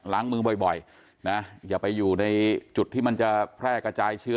ล้างมือบ่อยนะอย่าไปอยู่ในจุดที่มันจะแพร่กระจายเชื้อ